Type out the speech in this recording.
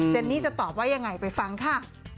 นี่จะตอบว่ายังไงไปฟังค่ะ